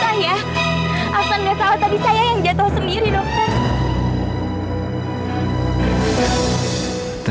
aksan gak salah tadi saya yang jatuh sendiri dokter